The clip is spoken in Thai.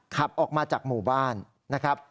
ขับออกมาจากหมู่บ้านนะครับ